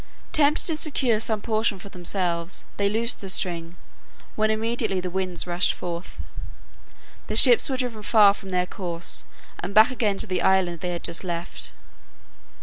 Tempted to secure some portion for themselves, they loosed the string, when immediately the winds rushed forth. The ships were driven far from their course, and back again to the island they had just left.